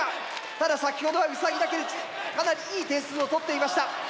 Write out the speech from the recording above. ただ先ほどはウサギだけでかなりいい点数を取っていました。